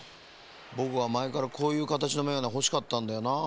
ぼくはまえからこういうかたちのメガネほしかったんだよなあ。